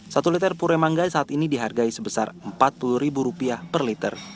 satu liter pure manggai saat ini dihargai sebesar rp empat puluh per liter